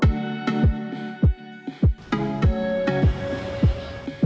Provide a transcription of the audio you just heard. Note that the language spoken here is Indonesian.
lagi wellness sudah sudah